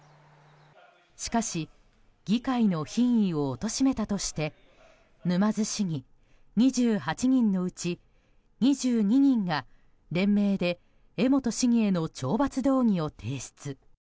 しかし議会の品位を貶めたとして沼津市議２８人のうち２２人が連名で江本市議への懲罰動議を提出。